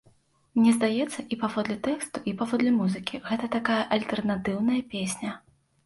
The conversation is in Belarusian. Мне здаецца, і паводле тэксту і паводле музыкі, гэта такая альтэрнатыўная песня.